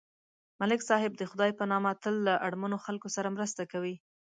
ملک صاحب د خدای په نامه تل له اړمنو خلکو سره مرسته کوي.